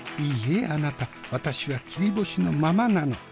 いいえあなた私は切り干しのままなの。